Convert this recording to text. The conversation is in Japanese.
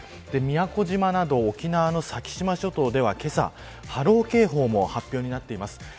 宮古島など沖縄の先島諸島ではけさ、波浪警報も発表になっています。